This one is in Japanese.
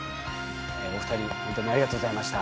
お二人ほんとにありがとうございました。